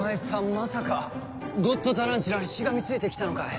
まさかゴッドタランチュラにしがみついてきたのかい？